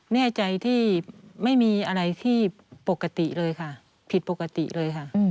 แน่ใจที่ไม่มีอะไรที่ปกติเลยค่ะผิดปกติเลยค่ะ